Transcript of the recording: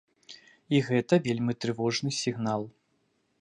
І гэта вельмі трывожны сігнал.